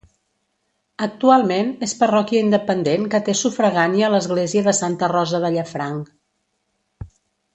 Actualment és parròquia independent que té sufragània l'església de Santa Rosa de Llafranc.